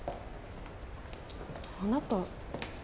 あなた。